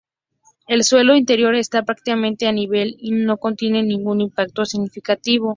El suelo interior está prácticamente a nivel y no contiene ningún impacto significativo.